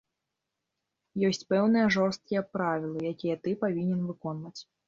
Ёсць пэўныя жорсткія правілы, якія ты павінен выконваць.